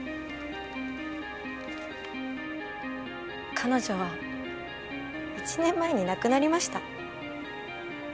彼女は１年前に亡くなりました。